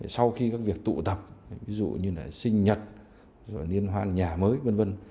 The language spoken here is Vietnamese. sau khi các việc tụ tập ví dụ như sinh nhật niên hoan nhà mới v v